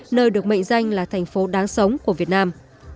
nơi được mệnh danh là thành phố đáng sống của việt nam